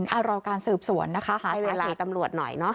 เอารอการสืบสวนนะคะหาเศรษฐีตำรวจหน่อยเนอะ